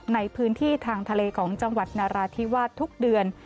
ในพื้นที่ทางทะเลของจังหวัดนราธิวาสทุกเดือน